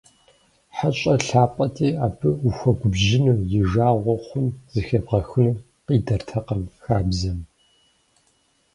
ХьэщӀэр лъапӀэти, абы ухуэгубжьыну, и жагъуэ хъун зыхебгъэхыну къидэртэкъым хабзэм.